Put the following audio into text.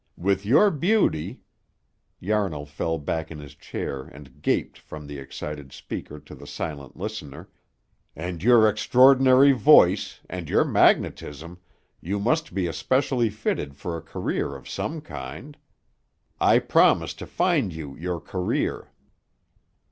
With your beauty" Yarnall fell back in his chair and gaped from the excited speaker to the silent listener "and your extraordinary voice, and your magnetism, you must be especially fitted for a career of some kind. I promise to find you your career."